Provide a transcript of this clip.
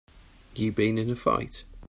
You been in a fight?